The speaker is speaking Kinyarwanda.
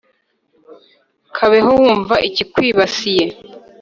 kabeho wumva ikikwibasiye